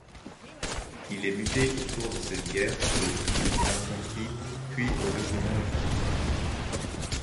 Il est muté au cours de cette guerre au d'infanterie puis au Régiment d'Infanterie.